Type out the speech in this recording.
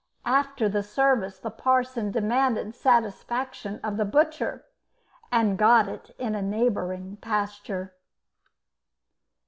After the service the parson demanded satisfaction of the butcher, and got it in a neighbouring pasture.